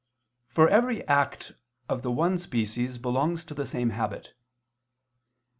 For every act of the one species belongs to the same habit.